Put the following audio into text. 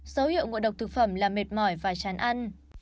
dấu hiệu ngộ độc thực phẩm là mệt mỏi và chán ăn